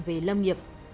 về lâm nghiệp